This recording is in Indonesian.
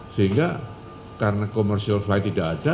sehingga karena commercial flight tidak ada